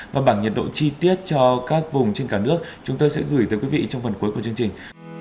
và bảng nhiệt độ chi tiết cho các vùng trên cả nước chúng tôi sẽ gửi tới quý vị trong phần cuối của chương trình